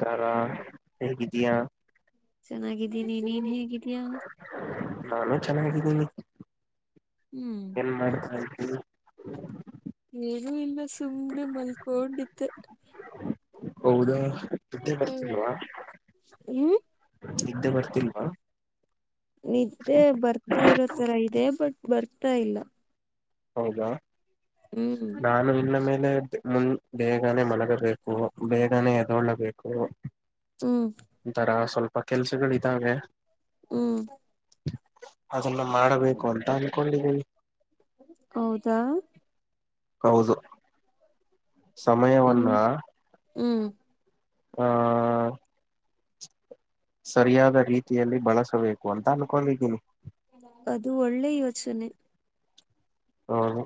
ಕಾರಾರಾ ಹಗಿದ್ದಾ ಚೆನ್ನಾಗಿದ್ದೀನಿ ನೀನ್ ಹೇಗಿದೀ್ಯಾ ನಾನು ಚೆನ್ನಾಗಿದ್ದೀನಿ ಏನ್ ಮಾಡ್ತಿ ಏನುೂ ಇಲ್ಲ ಸುಮ್ನೆ ಮಲ್ಕೊಂಡಿತ್ತು ಹೌದಾ ನೆಡಿ ಬರ್ತಿಲ್ವಾ ಹ್ಮ್ ನೆದ್ದ ಬರ್ತಿಲ್ವಾ ನಿದ್ದೆ ಬರ್ತಾ ಇರೋ ತರ ಇದೆ ಬಟ್ ಬರ್ತಾ ಇಲ್ಲ ಹೌದಾ ಹ್ಮ್ ನಾನು ಇನ್ನ ಮೇಲೆ ಮು ಬೇಗನೆ ಮಲಗಬೇಕು ಬೇಗನೆ ಎದೋೊಳ್ಳಬೇಕು ಹ್ಮ್ ಒಥರ ಸ್ವಲ್ಪ ಕೆಲ್ಸಗಳಿದ್ದಾವೆ ಹ್ಮ್ ಅದನ್ನ ಮಾಡಬೇಕು ಅಂತ ಅನ್ಕೊಂಡಿದೀವಿ ಹೌದಾ ಹೌದು ಸಮಯವನ್ನ ಹ್ಮ್ ಹ್ಮ್ ಹ ಸರಿಯಾದ ರೀತಿಯಲ್ಲಿ ಬಳಸಬೇಕು ಅಂತ ಅನ್ಕೊಂಡಿದ್ದೀನಿ ಅದು ಒಳ್ಳೆ ಯೋಚನೆ ಹೌದು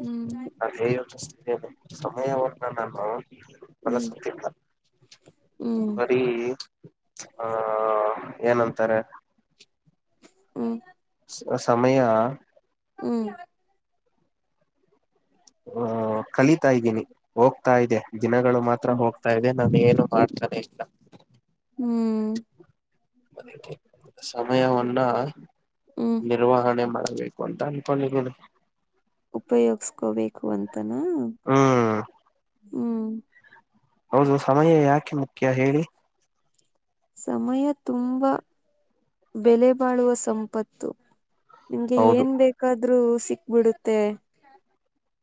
ಹ್ಮ್ ಅಡೆ ಯೋಚಿಸೆನೆ ಸಮಯವ ನಾನು ಹ್ಮ್ ಬಳಸತಿಿಲ್ಲ ಹ್ಮ್ ಬರಿ ಹಾ ಏನಂತಾರೆ ಹ್ಮ ಸಮಯ ಹ್ಮ ಹ ಕಲಿತಾ ಇದ್ದೀನಿ ಹೋಗ್ತಾ ಇದೆ ದಿನಗಳು ಮಾತ್ರ ಹ್ಮ್ ಹೋಗ್ತಾ ಇದೆ ನಾನ ಏನು ಮಾಡ್ತಾನೆ ಇಲ್ಲ ಹ್ಮ್ ಅದಕ್ಕೆ ಸಮಯವನ್ನ ಹ್ಮ್ ನಿರ್ವಹಣೆ ಮಾಡ್ಬೇಕು ಅಂತ ಅನ್ಕೊಂಡಿದ್ದೀನಿ ಉಪಯೋಗಸ್ಕೋಬೇಕು ಅಂತನಾ ಹ್ಮ್ ಹ್ಮ್ ಹೌದು ಸಮಯ ಯಾಕೆ ಮುಖ್ಯ ಹೇಳಿ ಸಮಯ ತುಂಬಾ ಬೆಲೆ ಬಾಳುವ ಸಂಪತ್ತು ನಿಮ್ಗೆ ಹೌದು ಏನ್ ಬೇಕಾದ್ರೂ ಸಿಕ್ಬಿಡುತ್ತೆ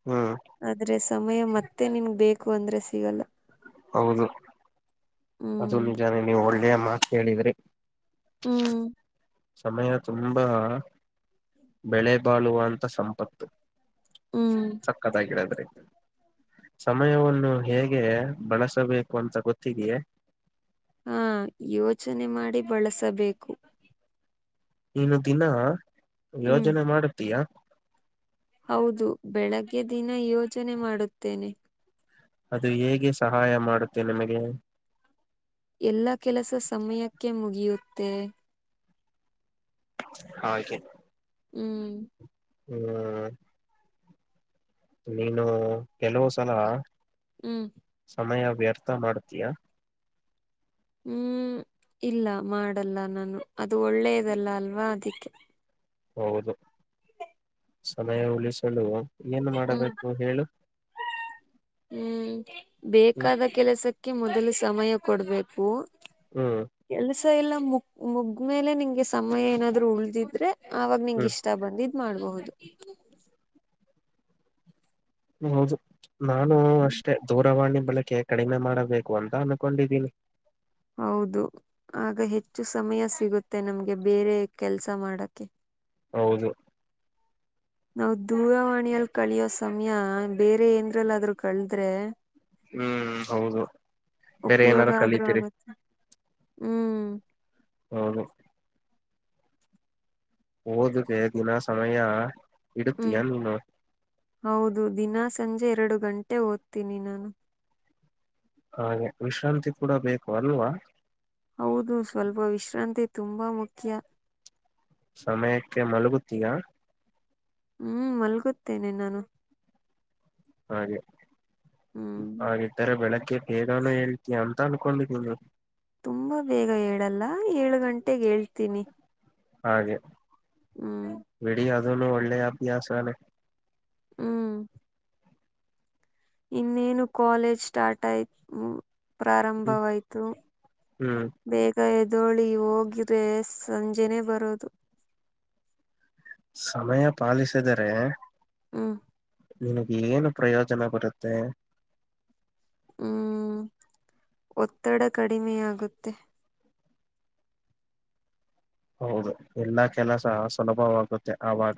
ಹ್ಮ್ ಆದ್ರೆ ಸಮಯ ಮತ್ತೆ ನಿಮಗ್ ಬೇಕು ಅಂದ್ರೆ ಸಿಗಲ್ಲ ಹೌದು ಅದು ಹ್ಮ್ ನಿಜ ನೀವು ಒಳ್ಳೆಯ ಮಾತ ಹೇಳಿದ್ರಿ ಹ್ಮ್ ಸಮಯ ತುಂಬಾ ಬೆಳೆ ಬಾಳುವ ಅಂತ ಸಂಪತ್ತು ಸಕ್ಕತ್ಾಗಿ ಹೇಳಿದ್ರಿ ಹ್ಮ ಸಮಯವನ್ನು ಹೇಗೆ ಬಳಸಬೇಕು ಅಂತ ಗೊತ್ತಿದೆಯೇ ಹಾ ಯೋಚನೆ ಮಾಡಿ ಬಳಸಬೇಕು ನೀನು ದಿನ ಹ್ಮ್ ಯೋಜನೆ ಮಾಡತೀಯಾ ಹೌದು ಬೆಳಗ್ಗೆ ದಿನ ಯೋಜನೆ ಮಾಡುತ್ತೇನೆ ಅದು ಹೇಗೆ ಸಹಾಯ ಮಾಡುತ್ತೆ ನಿಮಗೆ ಎಲ್ಲ ಕೆಲಸ ಸಮಯಕ್ಕೆ ಮುಗಿಯುತ್ತೆ ಹಾಗದುೆ ಹ್ಮ್ ಹ್ಮ್ ನೀನು ಕೆಲವು ಸಲ ಹ್ಮ್ ಸಮಯ ವ್ಯರ್ಥ ಮಾಡತೀಯಾ ಹ್ಮ್ ಇಲ್ಲ ಮಾಡಲ್ಲ ನಾನು ಅದು ಒಳ್ಳೇದಲ್ಲ ಅಲ್ವಾ ಅದಿಕ್ಕೆ ಹೌದು ಸಮಯ ಉಳಿಸಲು ಏನು ಹ್ಮ್ ಮಾಡಬೇಕು ಹೇಳು ಹ್ಮ್ ಹ್ಮ್ ಬೇಕಾದ ಕೆಲಸಕ್ಕೆ ಮೊದಲು ಸಮಯ ಕೊಡ್ಬೇಕು ಹ್ಮ್ ಕೆಲ್ಸ ಎಲ್ಲ ಮು ಮುಗ್ಮೇಲೆ ನಿಂಗೆ ಸಮಯ ಏನಾದ್ೂ ಉಳ್ದಿದ್ರೆ ಆಾಗ ನಿಂಂಗ ಹ್ಮ್ ಇಷ್ಟ ಬಂದ ಇದ್ ಮಾಡ್ಬಹುದು ಹೌದು ನಾನು ಹ್ಮ್ ಅಷ್ಟೇ ದೂರವಾಣಿ ಬಳಕೆ ಕಡಿಮೆ ಮಾಡಬೇಕು ಅಂತ ಅನ್ಕೊಂಡಿದೀನಿ ಹೌದು ಆಗ ಹೆಚ್ಚು ಸಮಯ ಸಿಗುತ್ತೆ ನಮ್ಗೆ ಬೇರೆ ಕೆಲ್ಸ ಮಾಡಕ್ಕೆ ಹೌದು ನಾವು ದೂರವಾಣಿಯಲ್ಲಿ ಕಳಿಯೋ ಸಮಯ ಬೇರೆ ಏಂದ್ರಲ್ಲಾದ್ರೂ ಕಳದ್ರೆ ಹ್ಮ್ ಹೌದು ಬೇರೆ ಉಪಯೋಗ ಏನಾರು ಆದ್ರೂ ಕಲಿತೀರಿ ಆಗತ್ತೆ ಹ್ಮ್ ಹೌದು ಓದಕ ದಿನ ಸಮಯ ಹ್ಮ್ ಇಡತಯಾ ನೀನು ಹೌದು ದಿನಾ ಸಂಜೆ ಎರಡು ಗಂಟೆ ಓದ್ತೀನಿ ನಾನು ಹಾಗೆ ವಿಶ್ರಾಂತಿ ಕೂಡ ಬೇಕು ಅಲ್ವಾ ಹೌದು ಸ್ವಲ್ಪ ವಿಶ್ರಾಂತಿ ತುಂಬಾ ಮುಖ್ಯ ಸಮಯಕ್ಕೆ ಮಲಗುತ್ತೀಯಾ ಹ್ಮ್ ಮಲ್ಗುತ್ತೇನೆ ನಾನು ಹಾಗೆ ಹ್ಮ್ ಹಾಗೆ ತರ ಬೆಳಕಗೆ ತೇದೋನ ಹೇಳ್ತಯ ತಾನುಕೊಳ್ಳ ತುಂಬಾ ಬೇಗ ಹೇಳಲ್ಲ ಏಳು ಗಂಟೆೆಗೆ ಹೇಳ್ತೀನಿ ಹಾಗೆ ಹ್ಮ್ ಇದು ಒಳ್ಳೆಯ ಅಬ್ಯಾಸನೆ. ಹ್ಮ್ ಇನ್ನೇನು ಕೋಲೇಜ್ ಸ್ಟಾರ್ಟ್ ಆಯ್ತು. ಹ್ಮ್ ಪ್ರಾರಂಭವಾಯ್ತು ಹ್ಮ್ ಬೇಗ ಎ [unintelligible] ದೋಳಿ ಹೋಗ್ರೆ ಸಂಜೆನೇ ಬರೋದು. ಸಮಯ ಪಾಲಿಸಿದರೆ. ಹ್ಮ ನಿನಗ್ ಏನು ಪ್ರಯೋಜನ ಬರುತ್ತೆ. ಹ್ಮ್ ಒತ್ತಡ ಕಡಿಮೆ ಆಗುತ್ತೆ. ಹೌದು ಎಲ್ಲಾ ಕೆಲಸ ಸುಲಭವಾಗುತ್ತೆ ಆವಾಗ.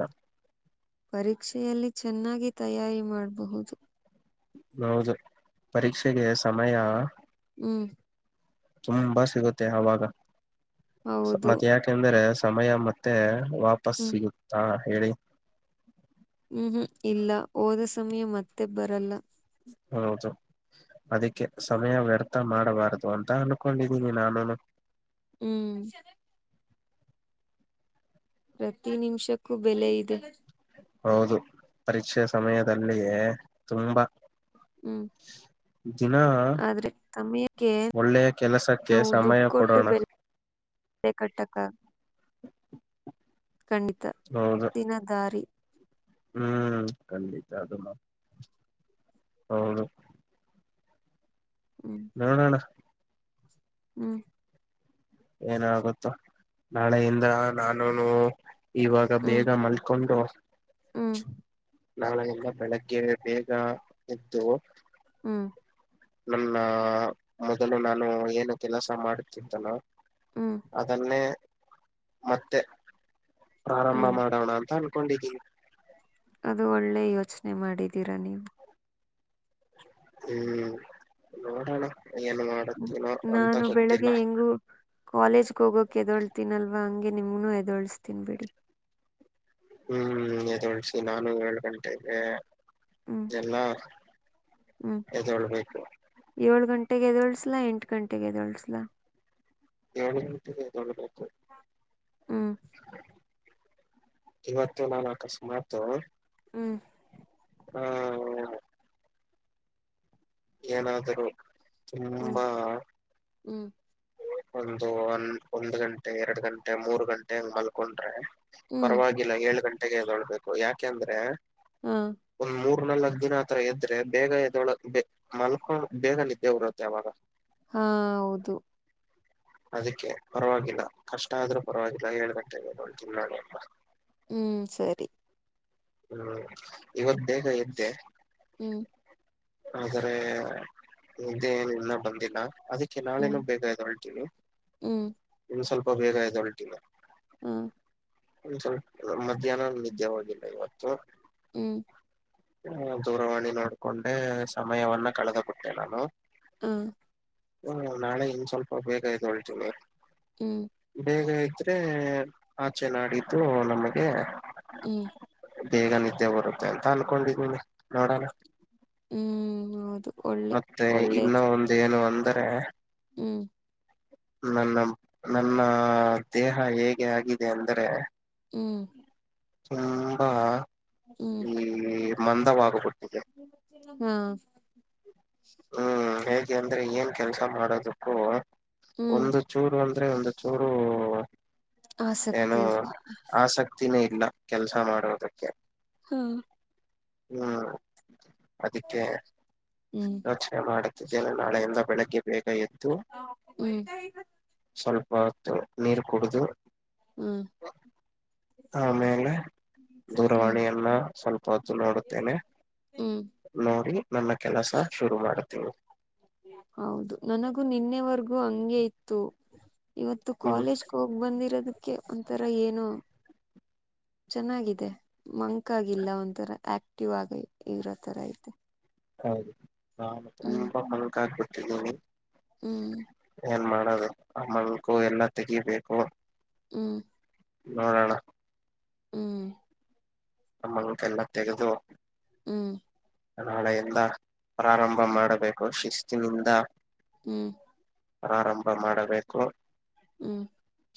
ಪರೀಕ್ಷೆಯಲ್ಲಿ ಚೆನ್ನಾಗಿ ತಯಾರಿ ಮಾಡಬಹುದು. ಹೌದು ಪರೀಕ್ಷೆಗೆ ಸಮಯ. ಹ್ಮ್ ತುಂಬಾ ಸಿಗುತ್ತೆ ಅವಾಗ ಹೌದು ಮತ್ತೆ ಯಾಕೆಂದ್ರೆ. ಸಮಯ ಮತ್ತೆ ವಾಪಸ್ ಹ್ಮ್ ಸಿಗುತ್ತಾ ಹೇಳಿ. ಹ್ಮ್ ಹ್ಮ್ ಇಲ್ಲ ಹೋದ ಸಮಯ ಮತ್ತೆ ಬರಲ್ಲ. ಹೌದು. ಅದಕ್ಕೆ ಸಮಯ ವ್ಯರ್ಥ ಮಾಡಬಾರದು ಅಂತ ಅನ್ಕೊಂಡಿದ್ದೀನಿ ನಾನುನು. ಹ್ಮ್ ಪ್ರತಿ ನಿಮಿಷಕ್ಕೂ ಬೆಲೆ ಇದೆ. ಹೌದು ಪರೀಕ್ಷೆ ಸಮಯದಲ್ಲಿಯೇ ತುಂಬಾ. ಹ್ಮ್ ದಿನ ಆದ್ರೆ ಸಮಯಕ್ಕೆ ಒಳ್ಳೆಯ ಕೆಲಸಕ್ಕೆ ನಾವು ಸಮಯ ದುಡ್ಡು ಕೊಟ್ಟು ಕೊಡೋಣ ಬೆಲೆ. ಕಟ್ಟಕ್ ಆ ಖಂಡಿತ ಹೌದು ದಿನ ದಾರಿ. ಹ್ಮ್ ಖಂಡಿತ ಅದು ಹೌದು. ಹ್ಮ್ ನೋಡಣ್ಣ. ಹ್ಮ್ ಏನ ಆಾಗುತ್ತ ನಾಳೆಯಿಂದ ನಾನುನು. ಇವಾಗ ಹ್ಮ್ ಬೇಗ ಮಲ್ಕೊಂಡು. ಹ್ಮ್ ನಾಳೆಯಿಂದ ಬೆಳಗ್ಗೆ ಬೇಗ ಎದ್ದು. ಹ್ಮ್ ನನ್ನ ಮೊದಲು ನಾನು ಏನು ಕೆಲಸ ಮಾಡುತ್ತಿದ್ದನೊ. ಹ್ಮ್ ಅದನ್ನೇ ಮತ್ತೆ. ಪ್ರಾರಂಭ ಹ್ಮ್ ಮಾಡೋಣ ಅಂತ ಅನ್ಕೊಂಡಿದ್ದಿನಿ. ಅದು ಒಳ್ಳೆ ಯೋಚನೆ ಮಾಡಿದ್ದೀರಾ ನೀವು. ಹ್ಮ್ ನೋಡಣ. ನಾನು ಬೆಳಗ್ಗೆ ಹೆಂಗು ಕಾಲೇಜ್ಗೆ ಹೋಗೋಕ್ ಎದೊಳ್ತೀನಲ್ವಾ ಹಂಗೆ. [unintelligible] ಗೆ ನಿಮ್ಮನ್ನು ಎದೋಳ್ಸುತೀನ್ ಬಿಡಿ. ಹ್ಮ್ ಎದುಳ್ಸಿ ನಾನು ಏಳ್ ಗಂಟೆಗೆ. ಹ್ಮ್ ಎಲ್ಲಾ ಎದೋಳ್ಬೇಕು. ಗಂಟೆಗೆದೋಳ್ಸಲ ಎಂಟು ಗಂಟೆಗೆ ಎದೋಳ್ಸಲ. ಯೋಳ್ ಗಂಟೆಗೆ ಎದ್ದೇಳೋದು. ಹ್ಮ ಇವತ್ತು ನಾ ಆಕಸ್ಮತ್. ಹ್ಮ್ ಹ್ಮ ಏನಾದರೂ ಹ್ಮ್ ತುಂಬಾ. ಹ್ಮ್ ಒಂದು ಒ ಒಂದ್ ಗಂಟೆ ಎರಡ್ ಗಂಟೆ ಮೂರ್ ಗಂಟೆಗ ಮಲ್ಕೊಂಡ್ರೆ. ಹ್ಮ್ ಪರವಾಗಿಲ್ಲ ಏಳು ಗಂಟೆಗೆ ಎದೊಳ್ಬೇಕು ಯಾಕೆಂದ್ರೆ ಹಾ ಒಂದ್ ಮೂ ನಲ್ಲ ದಿನ ಹತ್ರರ ಎದ್ರೆ ಬೇಗ ಎದೊಳ ಮಲ್ಕೊಂಡ ಬೇಗ ನಿದ್ದೆ ಉರುತ್ತೆ ಅವಾಗ ಹಾ ಹೌದು ಅದಕ್ಕೆ ಪರವಾಗಿಲ್ಲ ಕಷ್ಟ ಆದ್ರೂ ಪರವಾಗಿಲ್ಲ ಹೇಳ್ಬೇಕಟ್ಟ ನೋಡ್ ತಿನ್ ನಾನ ಅಲ್ಲ ಹ್ಮ್ ಸರಿ ಹ್ಮ್ ಇವತ್ತು ಬೇಗ ಎದ್ದೆ ಹ್ಮ್ ಆದ್ರ ಇದ್ದೆ ಏನ್ ಇನ್ನ ಬಂದಿಲ್ಲ ಅದಕ್ಕೆ ನಾಳೇನು ಹ್ಮ್ ಬೇಗ ಅ ಹೊಳ್ತೀನಿ ಹ್ಮ್ ಸ್ವಲ್ಪ ಬೇಗ ಆಯದೆ ಹೊಲ್ಟಗ ಹಾ ಸ್ವಲ್ಪ ಮಧ್ಯಾಹ್ನ ನಿದ್ದೆ ಹೋಗಿಲ್ಲ ಇವತ್ತು ಹ್ಮ್ ಹ ದೂರವಾಣಿ ನೋಡ್ಕೊಂಡೆ ಸಮಯವನ್ನ ಕಳೆದ ಬಿಟ್ಟೆ ನಾನು ಹ ಹ್ಮ ನಾಳೆ ಇನ್ ಸ್ವಲ್ಪ ಬೇಕಾಯ್ತು ಹೊಳ್ತ ನೀ ಹ್ಮ್ ಹೇಗ ಇದ್ರೆ ಆಚೆ ನಡಿದ್ದು ನಮಗೆ ಹ್ಮ್ ಬೇಗ ನಿದ್ದೆ ಬರುತ್ತೆ ಅಂತ ಅನ್ಕೊಂಡಿದನಿ ಹ್ಮ್ ಹೌದು ಒಳ್ಳೆ ಮತ್ತೆ ಇನ್ನ ಒಳ್ಳೇದು ಒಂದ ಏನು ಅಂದ್ರೆ ಹ್ಮ್ ನನ್ನ ನನ್ನ ದೇಹ ಹೇಗೆ ಆಗಿದೆ ಅಂದ್ರೆ ಹ್ಮ್ ತುಂಬಾ ಹ್ಮ್ ಈ ಮಂದವಾಗಬಿಟ್ಟು ಹಾ ಹ್ಮ್ ಹೇಗೆ ಅಂದ್ರೆ ಏನ್ ಕೆಲ್ಸ ಮಾಡೋದಕ್ಕೂ ಹ್ಮ್ ಒಂದು ಚೂರು ಅಂದ್ರೆ ಒಂದು ಚೂರು ಏನೋ ಆಸಕ್ತಿ ಇಲ್ಲಿ ಆಸಕ್ತಿನೇ ಇಲ್ಲ ಕೆಲ್ಸ ಮಾಡೋದಕ್ಕೆ ಹಾ ಹ್ಮ್ ಅದಕ್ಕೆ ಹ್ಮ್ ಯೋಚನೆ ಮಾಡುತ್ತಿದ್ದೇನೆ ನಾಳೆಯಿಂದ ಬೆಳಗ್ಗೆ ಬೇಗ ಇ ಹ್ಮ್ ಸ್ವಲ್ಪ ಹೊತ್ತು ನೀರು ಕುಡಿದು ಹ್ಮ್ ಹ್ಮ್ ಆಮೇಲೆ ದೂರವಾಣಿಯನ್ನ ಸ್ವಲ್ಪ ನೋಡುತ್ತೇನೆ ಹ್ಮ್ ನೋಡಿ ನನ್ನ ಕೆಲಸ ಶುರು ಮಾಡತೀನಿ ಹೌದು ನನಗೂ ನಿನ್ನೆವರ್ಗೂ ಹಂಗೆ ಇತ್ತು ಇವತ್ತು ಹ್ಮ್ ಕಾಲೇಜ್ಗೆ ಹೋಗ್ ಬಂದಿರೋದಕ್ಕೆ ಒಂಥರ ಏನು ಚೆನ್ನಾಗಿದೆ ಮಂಕ ಆಗಲ್ಲ ಒಥರ ಆಕ್ ವಾಗ ಇರೋ ತರ ಐತೆ ಹೌದು ನಾನು ಹ್ಮ್ ತುಂಬಾ ಮಕಾಬಟ್ಟಿದ್ದಿ ಹ್ಮ್ ಏನ್ ಮಾಡದು ಆ ಮಕು ಎಲ್ಲಾ ತೆಗಿಬೇಕು ಹ್ಮ್ ನೋಡಣ ಹ್ಮ್ ನಮ್ಮಗೆ ಎಲ್ಲ ತೆಗೆದು ಹ್ಮ್ ನಾಳೆಯಿಂದ ಪ್ರಾರಂಭ ಮಾಡಬೇಕು ಶಿಸ್ತಿನಿಂದ ಹ್ಮ್ ಆರಂಭ ಮಾಡಬೇಕು ಹ್ಮ್.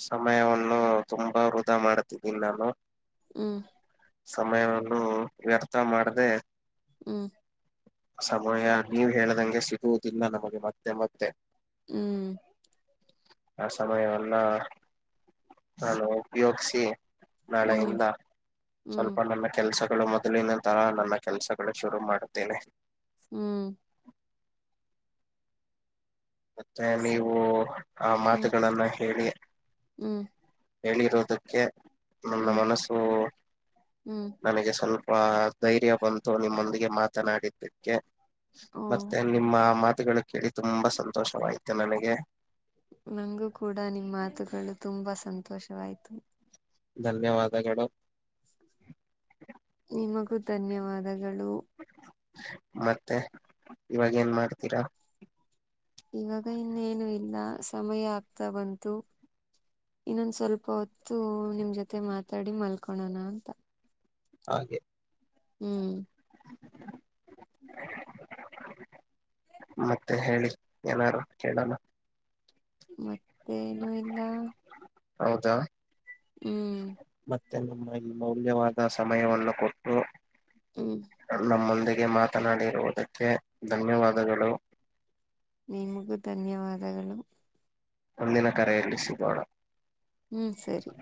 ಸಮಯವನ್ನು ತುಂಬಾ ವೃಧಾ ಮಾಡ್ತಿದ್ದೀನಿ ನಾನು. ಹ್ಮ್. ಸಮಯವನ್ನು ವ್ಯರ್ಥ ಮಾಡದೆ ಹ್ಮ್. ಸಮಯ ನೀವ್ ಹೇಳದಂಗೆ ಸಿಗುವುದಿಲ್ಲ ನಮಗೆ ಮತ್ತೆ ಮತ್ತೆ. ಹ್ಮ್. ಆ ಸಮಯವನ್ನ ನಾನು ಉಪಯೋಗ್ಸಿ ಹ್ಮ್ ನಾಳೆಯಿಂದ ಹ್ಮ್ ಹ್ಮ್ ಸ್ವಲ್ಪ ನನ್ನ ಕೆಲ್ಸ ಗಳು ಮೊದಲಿನ ತರ ನನ್ನ ಕೆಲಸಗಳು ಶುರು ಮಾಡುತ್ತೇನೆ. ಹ್ಮ್. ಮತ್ತೆ ನೀವು ಆ ಹ್ಮ್ ಮಾತುಗಳನ್ನ ಹೇಳಿ ಹ್ಮ್ ಹೇಳಿರುದಕ್ಕೆ ನನ್ನ ಹ್ಮ್ ಮನಸ್ಸು ಹ್ಮ್ ನನಗೆ ಸ್ವಲ್ ಪ ಧೈರ್ಯ ಬಂತು ನಿಮ್ಮೊಂದಿಗೆ ಮಾತನಾಡಿದ್ದಕ್ಕೆ ಓ ಮತ್ತೆ ನಿಮ್ಮ ಆ ಮಾ ತುಗಳು ಕೇಳಿ ತುಂಬಾ ಸಂತೋಷವಾಯ್ತು ನನಗೆ. ನಂಗೂ ಕೂಡ ನಿಮ್ ಮಾತುಗಳು ತುಂಬಾ ಸಂತೋಷವಾಯ್ತು. ಧನ್ಯವಾದಗಳು. ನಿಮಗೂ ಧನ್ಯವಾದಗಳು. ಮತ್ತೆ ಇವಾಗೇನ್ ಮಾಡ್ತೀರಾ. ಇವಾಗ ಇನ್ನೇನು ಇಲ್ಲ ಸಮಯ ಆಗ್ತಾ ಬಂತು. ಇನ್ನೊಂದ್ ಸ್ವಲ್ಪ ಹೊತ್ತು ನಿಮ್ ಜೊತೆ ಮಾತಾಡಿ ಮಲ್ಕೊಳೋಣ ಅಂತ. ಹಾಗೆ. ಹ್ಮ್. ಮತ್ತೆ ಹೇಳಿ ಏನಾರು ಕೇಳೋಣ. ಮತ್ತೇನು ಇಲ್ಲ. ಹೌದಾ. ಹ್ಮ್. ಮತ್ತೆ ನಿಮ್ಮ ಅಮೂಲ್ಯವಾದ ಸಮಯವನ್ನು ಕೊಟ್ಟು ಹ್ಮ್ ನಮ್ [unintelligible] ಗೆ ಮಾತನಾಡಿರುವುದಕ್ಕೆ ಧನ್ಯವಾದಗಳು. ನಿಮಗೂ ಧನ್ಯವಾದಗಳು. ಮುಂದಿನ ಕರೆಯಲ್ಲಿ ಸಿಗೋಣ. ಹ್ಮ್ ಸರಿ.